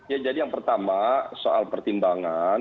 ya jadi yang pertama soal pertimbangan